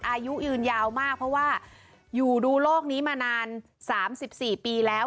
อายุยืนยาวมากเพราะว่าอยู่ดูโลกนี้มานาน๓๔ปีแล้ว